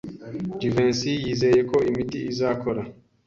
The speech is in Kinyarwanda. Jivency yizeye ko imiti izakora.